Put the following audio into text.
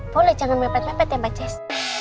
boleh jangan lepet lepet ya mbak ces